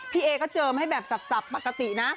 เอก็เจิมให้แบบสับปกตินะ